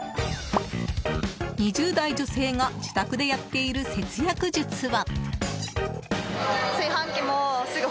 ２０代女性が自宅でやっている節約術は。